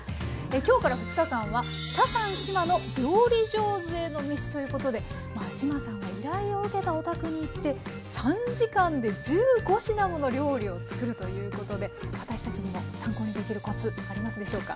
今日から２日間は「タサン志麻の料理上手への道」ということで志麻さんは依頼を受けたお宅に行って３時間で１５品もの料理を作るというということで私たちにも参考にできるコツありますでしょうか？